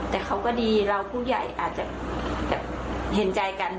แต่เขาก็ดีเราผู้ใหญ่อาจจะเห็นใจกัน